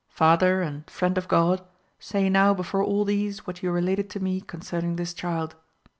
Father and friend of (jod, say now before all these what you related to me concerning this child.